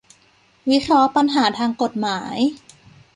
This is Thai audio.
วิเคราะห์ปัญหาทางกฎหมาย